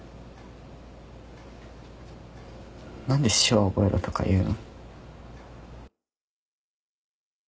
何で手話覚えろとか言うの？